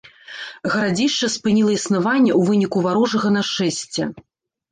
Гарадзішча спыніла існаванне ў выніку варожага нашэсця.